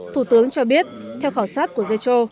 thủ tướng cho biết theo khảo sát của zetro